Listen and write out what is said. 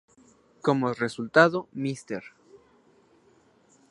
Como resultado, "Mr.